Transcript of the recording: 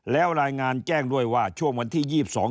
แล้วรายงานแจ้งด้วยว่าช่วงวันที่๒๒